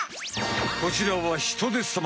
こちらはヒトデさま。